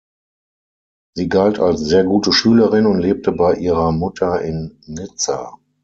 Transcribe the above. Sie galt als sehr gute Schülerin und lebte bei ihrer Mutter in Nizza.